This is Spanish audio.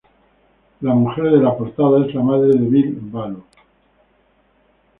La mujer de la portada es la madre de Ville Valo.